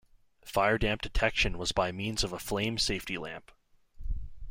Firedamp detection was by means of a flame safety lamp.